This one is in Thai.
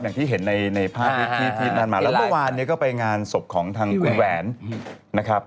อย่างที่เห็นในภาพที่ที่นั่นมาแล้วเมื่อวานเนี่ยก็ไปงานศพของทางคุณแหวนนะครับ